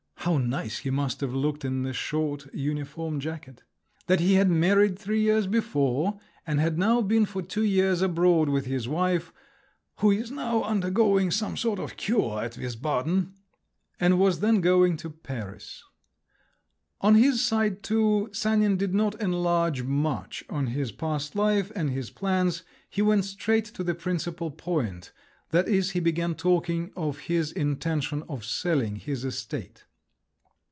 how nice he must have looked in the short uniform jacket!) that he had married three years before, and had now been for two years abroad with his wife, "who is now undergoing some sort of cure at Wiesbaden," and was then going to Paris. On his side too, Sanin did not enlarge much on his past life and his plans; he went straight to the principal point—that is, he began talking of his intention of selling his estate.